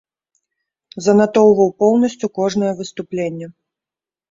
Занатоўваў поўнасцю кожнае выступленне.